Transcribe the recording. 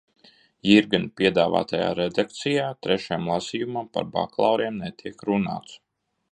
Jirgena piedāvātajā redakcijā trešajam lasījumam par bakalauriem netiek runāts.